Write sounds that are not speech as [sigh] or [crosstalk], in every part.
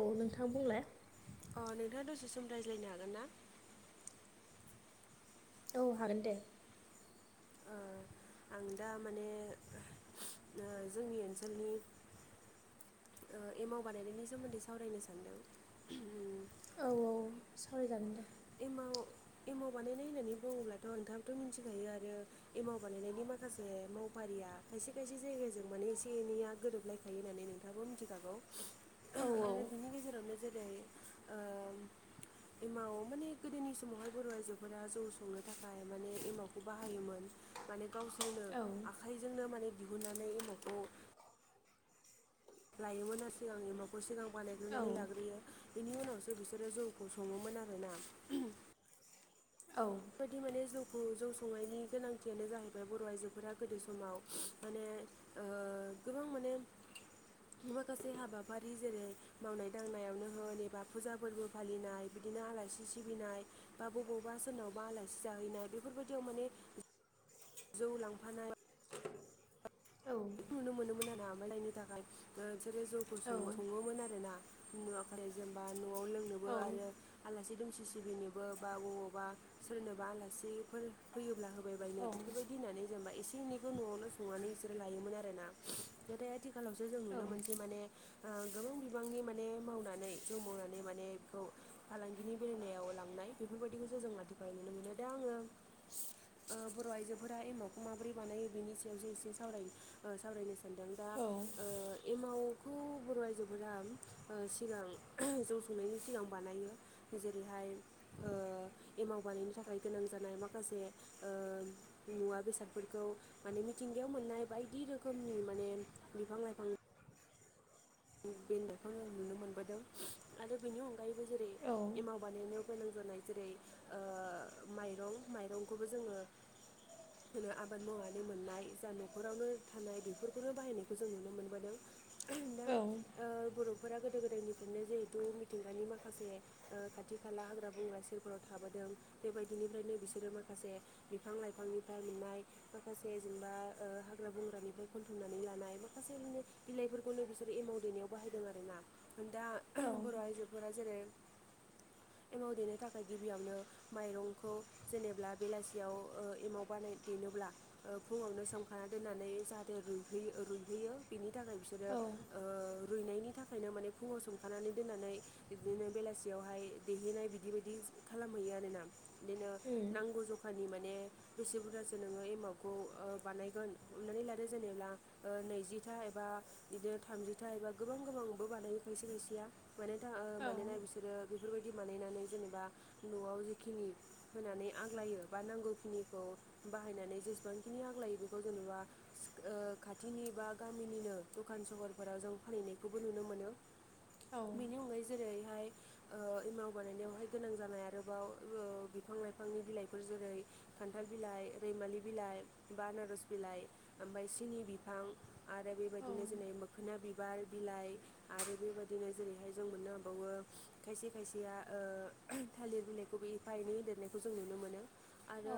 औ नोंथां बुंलाय अ नोंथाङा दसे सम रायज्लायनो हागोन ना? औ हागोन दे! ओ आंओ दा माने जोंनि ओनसोलनि एमाव बानायनायनि सोमोन्दै सावरायनो सान्दों ओम औ औ सावरायजागोन दे। एमाव बानायनाय होननानै बुङोब्लाथ' नोंथाङथ' मिथिखायो आरो एमाव बानायनायनि माखासे मावफारिया खायसे खायसे जायगाजों माने एसे एनैया गोरोबलाय थायो होननानै नोंथांआबो मिथिखागौ। औ औ आरो बिनि गेजेरावनो जेरै एमाव माने गोदोनि समावहाय बर' आइजोफोरा जौ संनो थाखाय माने एमावखौ बाहायोमोन। माने गावसोरनो औ आखाइजोंनो माने दिहुननानै एमावखौ लायोमोन आरो सिगां एमाखौ सिगां औ बानायग्रोनानै लाग्रोयो बेनि उनावसो बिसोरो जौखौ सङोमोन आरोना। औ। बेफोरबायदि माने जौखौ जौ संनायनि गोनांथियानो जाहैबाय बर' आइजोफोरा गोदो समाव माने गोबां माने माखासे हाबाफारि जेरै मावनाय दांनायावनो होन एबा फुजा फोरबो फालिनाय बिदिनो आलासि सिबिनाय बा बबावबा सोरनावबा आलासि जाहैनाय बेफोरबायदियाव माने जौ लांफानाय औ नुनो मोनोमोन आरोना [unintelligible] थाखाय बिसोरो जौखौ औ सो सङोमोन आर ना बुङाखै जेनेबा न'आव औ लोंनोबो औ उम आरो आलासि दुमसि सिबिनोबो बा बबावबा सोरनोबा आलासिफोर फैयोब्ला होबाय औ बायनो उम बेफोरबायदि होननानै जेनेबा एसे एनैखौ न'आवल' संनानै बिसोरो लायोमोन आरोना नाथाय आथिखालावसो जों नुनो मोनसे माने गोबां बिबांनि माने मावनानै जौ मावनानै माने बेखौ फालांगिनि बेललायाव लांनाय बेफोरबायदिखौसो जों आथिखालाव नुनो मोनो दा आङो बर' आइजोफोरा एमावखौ माबोरै बानायो बेनि सायावसो एसे सावराय सावरायनो सानदों। दा ओ एमाव खौ बर' आइजोफोरा सिगां जौ संनायनि सिगां बानायो जेरैहाय, एमाव बानायनो थाखाय गोनां जानाय माखासे ओ मुवा बेसादफोरखौ माने मिथिंगायाव मोननाय बायदि रोखोमनि माने बिफां लाइफां [unintelligible] आं नुनो मोनबोदों। आरो बेनि अनगायैबो जेरै औ एमाव बानायनायव गोनां जानाय जेरै, ओ माइरं माइरंखौबो जोङो [inaudible] जोङो आबाद मावनानै मोननाय जा न'खरावनो थानाय बेफोरखौनो बाहायनायखौ जों नुनो मोनबोदों। दा औ। ओ बर'फोरा गोदो गोदायनिफ्रायनो जिहेथु मिथिंगानि माखासे ओ खाथि खाला हाग्रा बंग्रा सेरफोराव थाबोदों बेबायदिनिफ्रायनो बिसोरो माखासे बिफां लाइफांनिफ्राय मोननाय माखासे जेनेबा ओ हाग्रा बंग्रानिफ्राय खनथुमनानै लानाय माखासे बिदिनो बिलाइफोरखौनो बिसोरो एमाव देनायाव बाहायदों आरोना ओ दा औ औ बर' आइजोफोरा जेरै एमाव देनो थाखाय गिबियावनो माइरंखौ जेनेब्ला बेलासियाव ओ एमाव बानाय देनोब्ला ओ फुङावनो सोमखाना दोननानै जाहाथे रुइहै ओ रुइहैयो बिनि थाखाय बिसोरो औ ओ रुइनायनि थाखायनो माने फुङाव सोमखानानै दोननानै बिदिनो बेलासियावहाय देहैनाय बिदि बायदि खालामहैयो आरोना। बिदिनो नांगौ जखानि माने बेसे बुरजासो नोङो एमाउखौ ओ बानायगोन हमनानै लादो जेनेब्ला ओ नैजिथा एबा बिदिनो थामजिथा एबा गोबां गोबांबो बानायो खायसे खायसेया मानोथा ओ मानोना बिसोरो बेफोरबायदि बानायनानै जेनेबा न'आव जिखिनि होनानै आग्लायो बा नांगौखिनिखौ बाहायनानै जेसेबांखिनि आग्लायो बेखौ जेनेबा सिख ओ खाथिनि बा गामिनिनो दखान सहर फोराव जों फानहैनायखौबो नुनो मोनो बेनि अनगायै जेरैहाय ओ एमाव बानायनायावहाय गोनां जानाय आरोबाव ओ बिफां लाइफांनि बिलाइफोर जेरै खान्थाल बिलाइ रैमालि बिलाइ बा आनारस बिलाइ ओमफाय सिनि बिफां आरो औ बेबायदिनो जेनै मोख ना बिबार बिलाइ आरो बेबायदिनो जेरैहाय जों मोननो हाबावो खायसे खायसेया ओ थालिर बिलाइखौबो एफा एनै होदेरनायखौ जों नुनो मोनो। आरो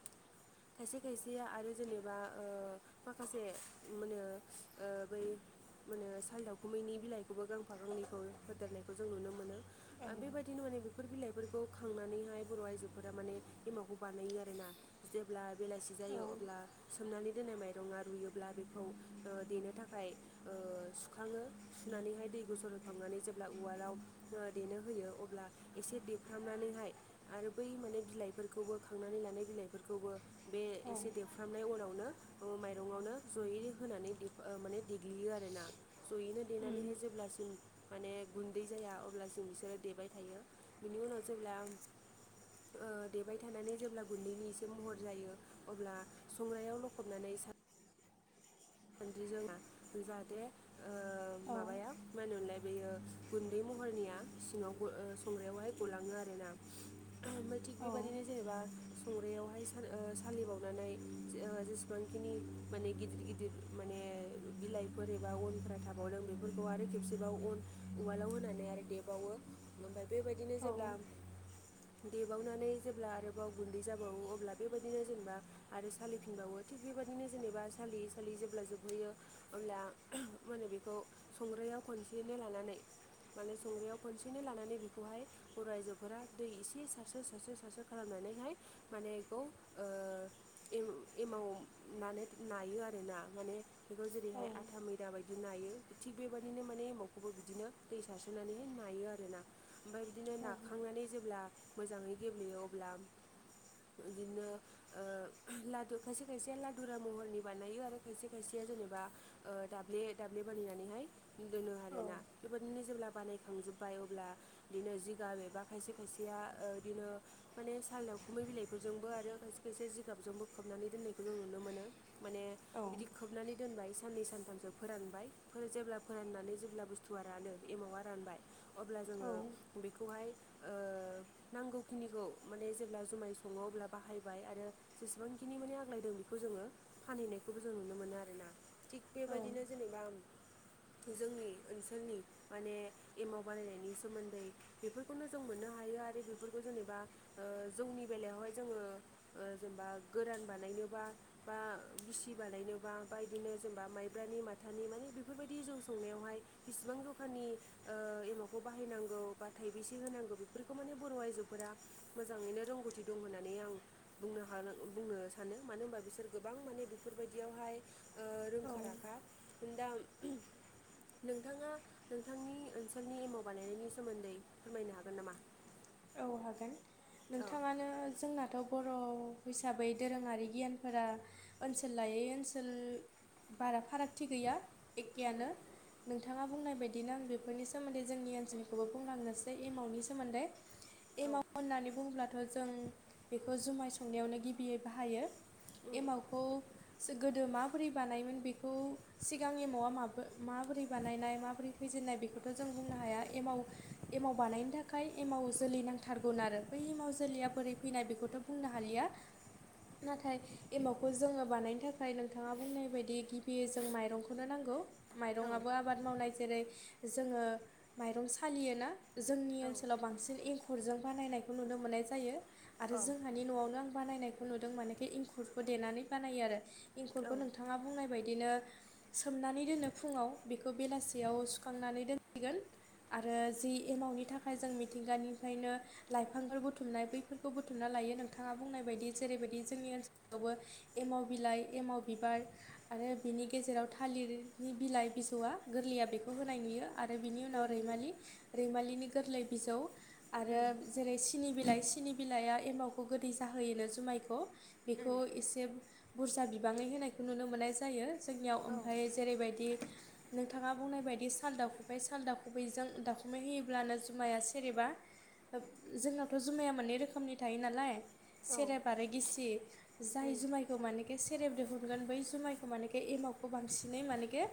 [inaudible] खायसे खायसेया आरो जेनेबा ओ माखासे मा होनो ओ बै मा होनो साल दावखुमैनि बिलाइखौबो गांफा गांनैखौ होदेरनायखौ जों नुनो मोनो। आ बेबा दिनो माने बेफोर बिलाइफोरखौ खांनानैहाय बर' आइजोफोरा माने एमावखौ बानायो आरोना। जेब्ला बेलासि जायो अब्ला सोमनानै दोननाय माइरङा रुइयोब्ला बेखौ ओ देनो था खाय ओ सुखाङो सुनानैहाय दै ग'सर होखांनानै जेब्ला उवालाव ओ देनो होयो अब्ला एसे देफ्रामनानैहाय आरो बै मोनै बिलाइफोरखौबो खांनानै लानाय बिलाइफोरखौबो बे एसे देफ्रामनाय उनावनो ओ माइरंआवनो जयै होनानै देफ ओ माने देग्लियो आरोना जयैनो देनानैहाय जेब्लासिम माने गुन्दै जाया अब्ला जों बिसोरो देबाय थायो बिनि उनाव जेब्ला ओ देबाय थानानै जेब्ला गुन्दैनि एसे महर जायो। अब्ला संग्रायाव लखबनानै सा [unintelligible] जाहाथे ओ माबाया मा होनो मोनलाय बैयो गुन्दै महरनिया सिङावबो ओ संग्रायावहाय गलाङो आरोना। आमफाय थिग बेबायदिनो जेनेबा संग्रायावहाय साल ओ सालिबावनानै जे ओ जेसेबांखिनि माने गिदिर गिदिर माने बिलाइफोर एबा अनफ्रा थाबावदों बेफोरखौ आरो खेबसेबाव अन उवालाव होनानै आरो देबावो ओमफाय बेबायदिनो जेब्ला देबावनानै जेब्ला आरोबाव गुन्दै जाबावो अब्ला बेबायदिनो जेनेबा आरो सालिफिनबावो थिग बेबायदिनो जेनेबा सालियै सालियै जेब अब्ला जोबहैयो अब्ला माने बेखौ संग्रायाव खनसेयनो लानानै माने संनायाव खनसेनो लानानै बेखौहाय बर' आइजोफोरा दै एसे सारस्रो सारस्रो सारस्र' खालामनानैहाय माने बेखौ ओ एम-एमावनानै नायो आरोना। माने बेखौ जेरैहाय आथा मै दाबायदि नाय थिग बेबायदिनो माने एमावखौबो बिदिनो दै सारसोनानैहाय नायो आरोना? ओमफाय बिदिनो नाखांनानै जेब्ला मोजाङै गेब्लेयो अब्ला बिदिनो ओ लादु खायसे खायसे लादुरा महरनि बानायो आरो खायसे खायसेया जेनेबा ओ दाब्ले दाब्ले बानायनानैहाय दोनो आरोना। बेबायदिनो जेब्ला बानाय थांजोब्बाय अब्ला बिदिनो जिगाब एबा खायसे खायसेया बिदिनो माने सालावखुमै बिलाइफोरजोंबो आरो खायसे खायसे जिगाबजों बो खोबनानै दोननायखौ जों नुनो मोनो। माने बिदि खोबनानै दोनबाय साननै सानथामसो फोरानबाय जेब्ला फोराननानै जेब्ला बुस थुवा रानो एमावा रानबाय, अब्ला जोङो बेखौहाय ओ [inaudible] नांगौखिनिखौ माने जेब्ला जुमाय सङो अब्ला बाहायबाय आरो जेसेबांखिनि माने आग्लायदों बेखौ जोङो फानैनाय खौबो जों नुनो मोनो आरोना। थिग औ बेबायदिनो जेनेबा जोंनि ओनसोलनि माने एमाव बानायनायनि सोमोन्दै बेफोरखौनो जों मोननो हायो आरो बेफोरखौ जेनेबा जोंनि बेलायावहाय जोङो ओ जेनेबा गोरान बानायनोबा बा गिसि बानायनोबा बा बिदिनो जेनेबा माइब्रानि माथानि मानि बेफोरबायदि जौ संनायावहाय बिसिबां जखानि ओ एमाखौ बाहायनांगौ बा थाइबसे होनांगौ बेफोरखौ माने बर' आइजोफोरा मोजाङैनो रोंगौथि दं होननानै आं बुंनो हा-बुंनो सानो मानो होनबा बिसोर गोबां माने बेफोर बायदियावहाय ओ औ रोंखा नोंदा नोंथाङा नोंथांनि ओनसोलनि एमाव बानायनायनि सोमोन्दै फोरमायनो हागोन नामा? औ हागोन औ नोंथाङानो जोंनाथ' बर' हिसाबै दोरोङारि गियानफोरा ओनसोल लायै ओनसोल बारा फारागथि गैया उम एखेयानो नोंथाङा बुंनाय बायदिनो आं बेफोरनि सोमोन्दै जोंनि ओनसोलनिखौबो बुंलांनोसै एमानि सोमोन्दै औ एमाव होननानै बुंब्लाथ' जों बेखौ जुमाय संनायावनो गिबियै बाहायो उम एमावखौ जों गोदो माबोरै बानायोमोन बेखौ सिगांनि न'आ म-माबोरै बानायनाय माबोरै फैजेननाय बेखौ बेखौथ' जों बुंनो हाया एमाव एमाव बानायनो थाखाय एमाव जोलै नांथारगोन आरो बै मावाव जोलैया बोरै फैनाय बेखौथ' बुंनो हालिया नाथाय एमावखौ जोङो बानायनो थाखाय नोंथाङा बुंनाय बायदि गिबि जों माइरंखौनो नांगौ। औ माइरंआबो आबाद मावनाय जेरै जोङो माइरं सालियोना जोंनि औ ओनसोलाव बांसिन एंखुरजों बानायनायखौ नुनो मोननाय जायो। आरो अ औ जोंहा नि न'आवनो आं बानायनायखौ नुदों माने इंखुरखौ देनानै बानायो आरो इंखुरखौ उम नों नोंथाङा बुंनाय बायदिनो सोमनानै दोनो फुङाव बेखौ बेलासियाव सुखांनानै दोनसिगोन। आरो जि एमावनि थाखाय जों मिथिंगानिफ्रायनो लाइफांफोर बुथुमनाय बैफोरखौ बुथुमना लायो। नोंथाङा बुंनाय बायदि जेरैबायदि जोंनि ओनसोलावबो एमाव बिलाइ एमाव बिबार आरो बिनि गेजेराव थालिरनि बिलाइ बिजसौआ गोरलैया बेखौ होनाय नुयो। आरो बिनि उनाव उम रैमालि रैमालिनि गोरलै बिजौ आरो उम जेरै सिनि बिलाइ सिनि बिलाइआ एमावखौ गोदै जाहोयोनो जुमायखौ बेखौ एसे बुरजा बिबाङै होनायखौ नुनो मोननाय जायो। जोंनियाव औ ओमफ्राय जेरैबायदि नों थाङा बुंनाय बायदि साल दाखुबै साल दाखुबैजों दावाखुमै होयोब्लानो जुमाया सेरेबा जोंनावथ' जुमाया मोननै रोखोमनि थायो नालाय औ उम सेरेब आरो गिसि उम उम जाय उम उम जुमायखौ मानेखे सेरेब दिहुनगोन बै जुमायखौ मानेखे एमावखौ बांसिनै मानेखे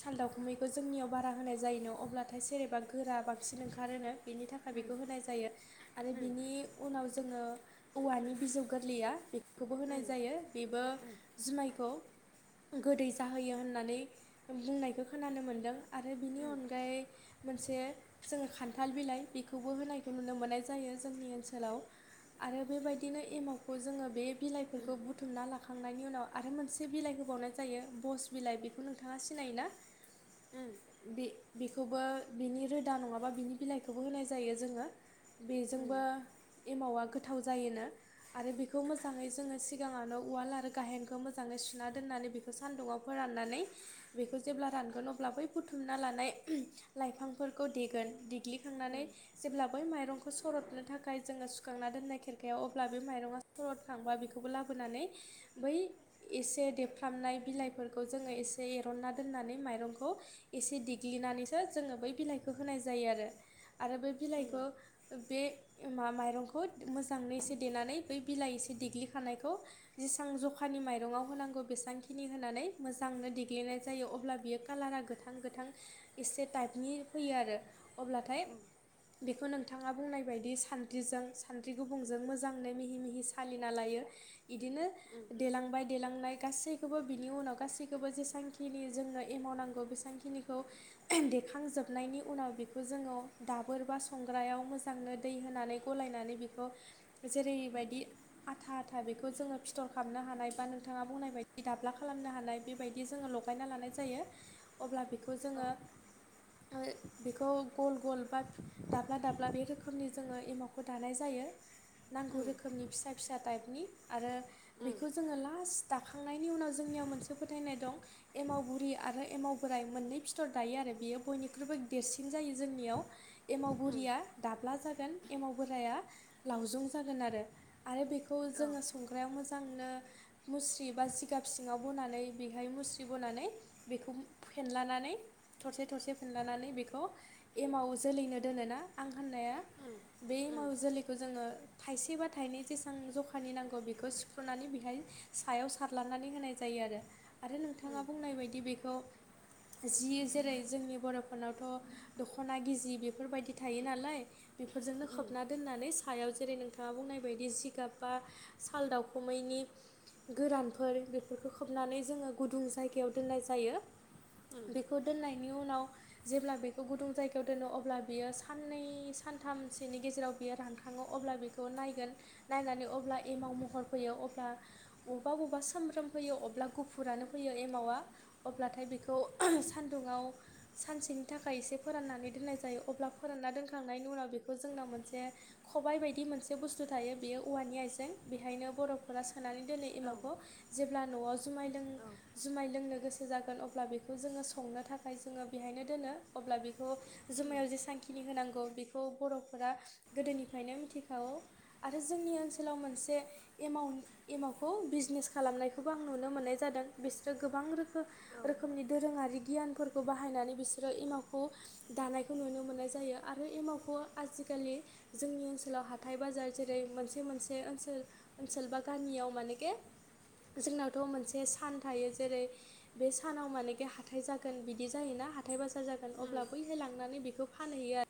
साल दाउखुमैखौ जोंनियाव बारा होनाय जायोनो अब्लाथाय सोरेबा गोरा बांसिन ओंखारोनो बेनि थाखाय बेखौ बेखौ होनाय जायो उम आरो उम औ उम औ उम बिनि उनाव जोङो औवानि बिजौ गोरलैया बे खौबो होनाय उम जायो बेबो जुमायखौ गोदै जाहोयो होननानै बुंनायखौ खोनानो मोन्दों। आरो बिनि उम उम औ अनगायै मोनसे जोङो खान्थाल बिलाइ बि खौबो होनायखौ नुनो मोननाय जायो जोंनि ओनसोलाव आरो बेबायदिनो एमावखौ जोङो बे बिलाइफोरखौ बुथुमना ला जखांनायनि उनाव आरो मोनसे बिलाइ होबावनाय जायो बस बिलाइ बेखौ नोंथाङा सिनायोना बे बेखौबो बिनि रोदा नङाबा बिनि बिलाइखौबो होनाय जा जायो जोङो बेजोंबो एमावा गोथाव जायोनो आरो बेखौ मोजाङै जोङो सिगाङावनो उवाल आरो गाहेनखौ मोजाङै सुना दोननानै बेखौ सान्दुंआव फोराननानै बेखौ जेब्ला रानगोन अब्ला बै बुथुमना लानाय लाइफांफोरखौ देगोन दि दिग्लिखांनानै बै माइरंखौ सरदनो थाखाय जोङो सुखांना दोननाय खेरखायाव अब्ला बे माइरङा सरद खांबा बेखौबो लाबोनानै बै एसे देफ्रामनाय बिलाइफोरखौ जोङो एसे एरनना दोननानै माइरंखौ एसे देग्लिनानैसो जोङो बै बिलाइखौ होनाय जायो आरो आरो बै बिलाइखौ बे मा माइरंखौ मोजाङै एसे देनानै बै बिलाइ एसे देग्लिखानायखौ जेसां जखानि माइरङआव होनांगौ बेसांखिनि होनानै मोजांनो देग्लिनाय जायो अब्ला बियो कालारा गोथां गोथां गोथां एसे टाइपनि फैयो आरो अब्लाथाय बेखौ नोंथाङा बुंनाय बायदि सानद्रिजों सानद्रि गुबुंजों मोजाङै मिहि मिहि सालिना लायो। बिदिनो देलांबाय देलांनाय गासै खौबो बिनि उनाव गासैखौबो जेसांखिनि जोंनो एमावनांगौ बेसांखिनिखौ देखांजोबनायनि उनाव बेखौ जोङो दाबोर बा संग्रायाव मोजांनो दै होनानै गलायनानै बेखौ जेरैबायदि आथा आथा बेखौ जोङो फिथर खालामनो हानाय बा नोंथाङा बुंनाय बायदि दाब्ला खालामनो हानाय बे बायदि जोङो लगायना लानाय जायो अब्ला बेखौ जोङो बेखौ गल गल एबा दाब्ला दाब्ला बे रोखोमनि जोङो एमावखौ दानाय जायो। नांगौ रोखोमनि फिसा फिसा टाइपनि आरो बेखौ जोङो लास्ट दाखांनायनि उनाव जोंनियाव मोनसे फोथायनाय दं एमावगुरि आरो एमाव बोराय मोननै फिथर दायो आरो बियो बयनिख्रुइबो देरसिन जायो जोंनियाव एमावगुरिया दाब्ला जागोन एमाव बोराया लावजं जागोन आरो आरो बेखौ जोङो संग्रायाव मोजांनो मुस्रि बा जिगाब सिङाव बनानै बेहाय मुस्रि बनानै बेखौ फेनलानानै थरसे थरसे फेनलानानै बेखौ एमाव जोलैनो दोनोना आं होननाया बे एमाव जोलैखौ जोङो थाइसेबा थाइनै जेसां जखानि नांगौ बेखौ सिफ्रुनानै बेहाय सायाव सारलानानै होनाय जायो आरो आरो नोंथाङा बुंनाय बायदि बेखौ जि जेरै जोंनि बर'फोरनावथ' दख'ना गिजि बेफोरबायदि थायो नालाय बेफोरजोंनो खोबना दोन्नानै सायाव जेरै नोंथां नोंथाङा बुंनाय बायदि जिगाब बा साल दाउखुमैनि गोरानफोर बेफोरखौ खोबनानै जोङो गुदुं जायगायाव दोननाय जायो। बेखौ दोननायनि उनाव जेब्ला बेखौ गुदुं जायगायाव दोनो अब अब्ला बियो साननै सानथामसोनि गेजेराव बियो रानखाङो अब्ला बेखौ नायगोन नायनानै अब्ला एमाव महर फैयो अब्ला बबेबा बबेबा सोमब्रोन फैयो अबेबा गुफुरानो फैयो एमावा अब्लाथाय बेखौ सानदुङाव सानसेनि थाखाय एसे फोराननानै दोननाय जायो जायो अब्ला फोरानना दोनखांनायनि उनाव बेखौ जोंनााव मोनसे खबायाइ बायदि मोनसे बुस्थु थायो बेयो औवानि आइजें बेहायनो बरफ सोनानै दोनै एमावखौ जेब्ला न'आव जुमाय लों जुमाय लोंनो गोसो जागोन अब्ला बेखौ जोङो संनो थाखाय जोङो बेहायनो दोनो अब्ला बेखौ जुमायाव जे सांखिनि होनांगौ बेखौ बर'फोरा गोदोनिफ्रायनो मिथिखागौ आरो जोंनि ओनसोलाव मोनसे एमाउ एमाउखौ बिजनेस खालामनायखौबो आं नुनो मोननाय जादों बिसोरो गोबां रोखोम उम रोखोमनि दोरोङारि गियानफोरखौ बाहायनानै बिसोरो एमावखौ दानायखौ नुनो मोननाय जायो आरो एमावखौ आजिखालि जोंनि ओनसोलाव हाथाइ बाजार जेरै मोनसे मोनसे ओनसोल ओनसोलबा गामिआयाव मानक जोंनावथ' मोनसे सान थायो जेरै बे सानाव मानेखि ह थाय जागोन बिदि जायोना हाथाय बाजार जागोन औ उम अब्ला बैहाय लांनानै बेखौ फानहैयो आरो